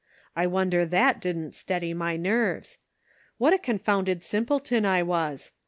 I wonder that didn't steady my nerves. What a confounded sim pleton I was